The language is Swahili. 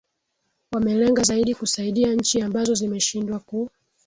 wamelenga zaidi kusaidia nchi ambazo zimeshindwa ku